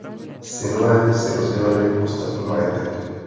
Synové si rozdělili ostatní majetek.